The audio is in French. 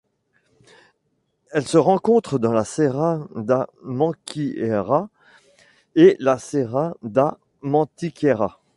Elle se rencontre dans la Serra da Mantiqueira et la Serra da Mantiqueira.